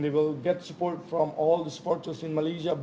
dan mereka akan mendapatkan sokongan dari semua penyokongan di malaysia